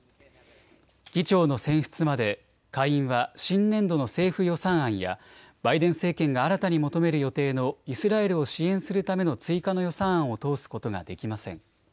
議長の選出まで下院は新年度の政府予算案やバイデン政権が新たに求める予定のイスラエルを支援するための追加の予算案を通すことができません。